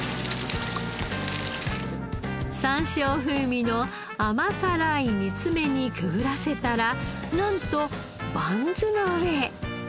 さんしょう風味の甘辛い煮詰めにくぐらせたらなんとバンズの上へ。